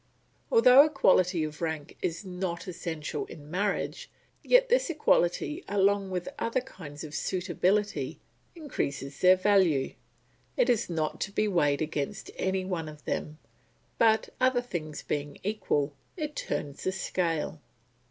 Although equality of rank is not essential in marriage, yet this equality along with other kinds of suitability increases their value; it is not to be weighed against any one of them, but, other things being equal, it turns the scale.